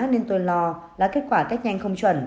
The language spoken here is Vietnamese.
nên tôi lo là kết quả cách nhanh không chuẩn